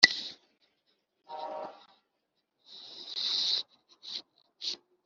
. Abamarayika bera bayoboraga Yosefu kugira ngo ubuzima bwa Yesu bukomeze kurindwa.